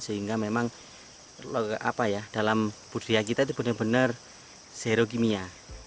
sehingga memang dalam budaya kita itu benar benar zero kimia